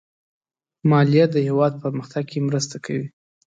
مالیه د هېواد پرمختګ کې مرسته کوي.